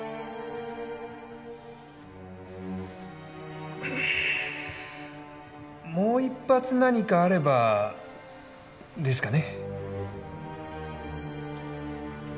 ううんもう一発何かあればですかね？